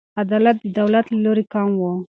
عدالت د دولت له لوري کم و.